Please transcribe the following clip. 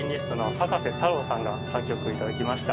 葉加瀬太郎さんが作曲いただきました